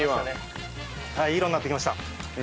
いい色になってきました。